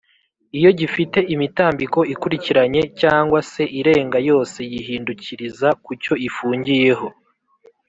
iyo gifite imitambiko ikurikiranye cg se irenga yose yihindukiriza kucyo ifungiyeho